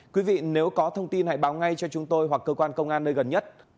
quý vị nếu có thông tin hãy báo ngay cho chúng tôi hoặc cơ quan công an nơi gần nhất